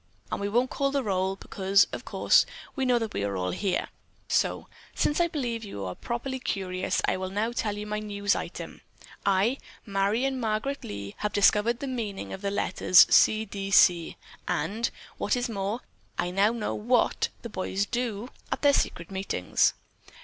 And we won't call the roll, because, of course, we know that we're all here, so, since I believe you are properly curious, I will now tell my news item. I, Marion Margaret Lee, have discovered the meaning of the letters 'C. D. C.,' and, what is mere, I now know what the boys do at their secret meetings."